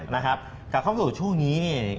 นะครับกลับเข้าสู่ช่วงนี้